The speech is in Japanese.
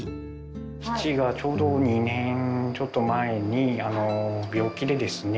父がちょうど２年ちょっと前に病気でですね